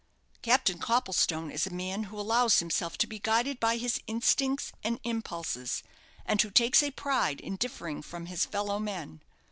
"Captain Copplestone is a man who allows himself to be guided by his instincts and impulses, and who takes a pride in differing from his fellow men.